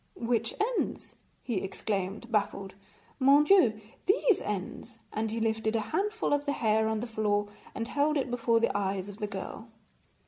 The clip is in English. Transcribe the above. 'Which ends?' he exclaimed, baffled. 'Mon Dieu! these ends,' and he lifted a handful of the hair on the floor and held it before the eyes of the girl.